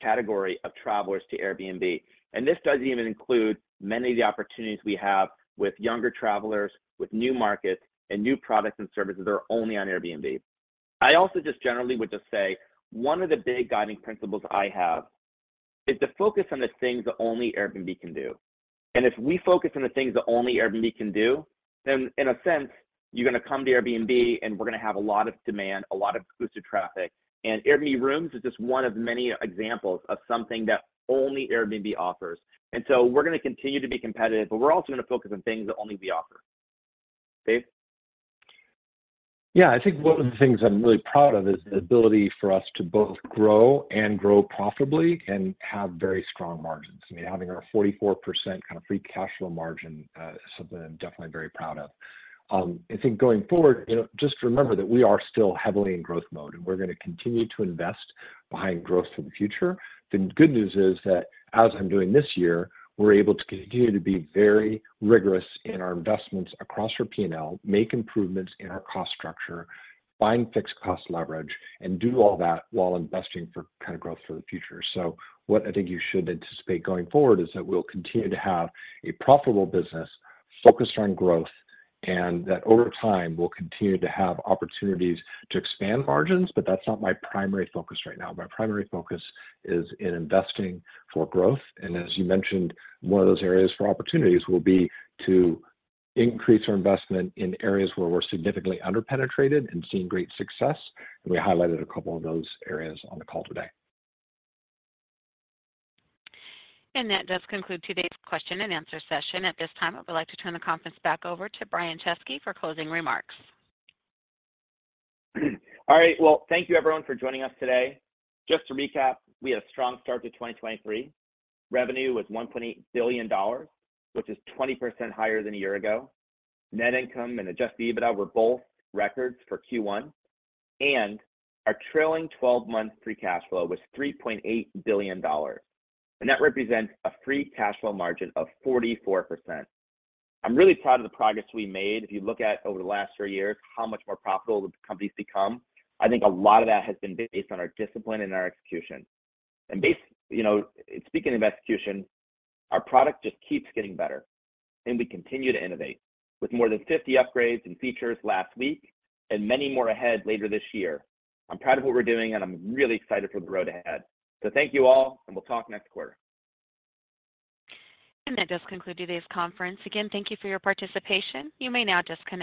category of travelers to Airbnb. This doesn't even include many of the opportunities we have with younger travelers, with new markets, and new products and services that are only on Airbnb. I also just generally would just say, one of the big guiding principles I have is to focus on the things that only Airbnb can do. If we focus on the things that only Airbnb can do, then in a sense, you're gonna come to Airbnb, and we're gonna have a lot of demand, a lot of exclusive traffic. Airbnb Rooms is just one of many examples of something that only Airbnb offers. We're gonna continue to be competitive, but we're also gonna focus on things that only we offer. Dave? Yeah. I think one of the things I'm really proud of is the ability for us to both grow and grow profitably and have very strong margins. I mean, having our 44% kind of free cash flow margin, is something I'm definitely very proud of. I think going forward, you know, just remember that we are still heavily in growth mode, and we're gonna continue to invest behind growth for the future. The good news is that as I'm doing this year, we're able to continue to be very rigorous in our investments across our P&L, make improvements in our cost structure, find fixed cost leverage, and do all that while investing for kind of growth for the future. What I think you should anticipate going forward is that we'll continue to have a profitable business focused on growth, and that over time, we'll continue to have opportunities to expand margins, but that's not my primary focus right now. My primary focus is in investing for growth. As you mentioned, one of those areas for opportunities will be to increase our investment in areas where we're significantly under-penetrated and seeing great success, and we highlighted a couple of those areas on the call today. That does conclude today's question and answer session. At this time, I would like to turn the conference back over to Brian Chesky for closing remarks. Well, thank you everyone for joining us today. Just to recap, we had a strong start to 2023. Revenue was $1.8 billion, which is 20% higher than a year ago. Net income and Adjusted EBITDA were both records for Q1. And our trailing 12-month free cash flow was $3.8 billion, and that represents a free cash flow margin of 44%. I'm really proud of the progress we made. If you look at over the last three years how much more profitable the company's become, I think a lot of that has been based on our discipline and our execution. You know, speaking of execution, our product just keeps getting better, and we continue to innovate, with more than 50 upgrades and features last week, and many more ahead later this year. I'm proud of what we're doing, and I'm really excited for the road ahead. Thank you all, and we'll talk next quarter. That does conclude today's conference. Again, thank you for your participation. You may now disconnect.